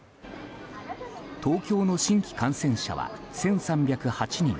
東京の新規感染者は１３０８人。